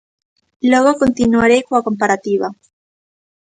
Logo continuarei coa comparativa.